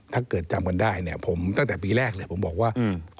ถ้าเกิดจำกันได้ตั้งแต่ปีแรกผมบอกว่า